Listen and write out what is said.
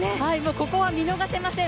ここは見逃せません。